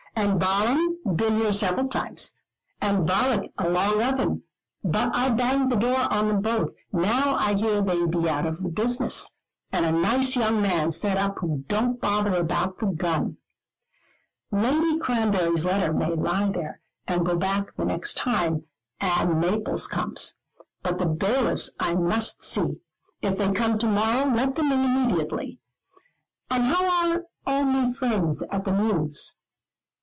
And Balaam been here several times, and Balak along of him; but I banged the door on them both, now I hear they be out of the business, and a nice young man set up who don't bother about the gun." "Lady Cranberry's letter may lie there, and go back the next time Ann Maples comes. But the bailiffs I must see. If they come to morrow, let them in immediately. And how are all my friends at the Mews?"